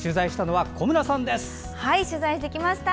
はい、取材してきました。